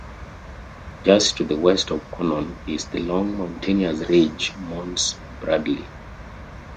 Just to the west of Conon is the long mountainous ridge Mons Bradley.